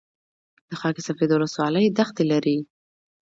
د خاک سفید ولسوالۍ دښتې لري